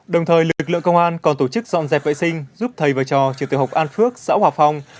đồng thời lực lượng công an còn tổ chức dọn dẹp vệ sinh giúp thầy và trò trường tiểu học an phước xã hòa phong